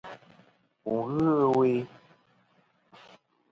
Wù n-ghɨ ɨwe.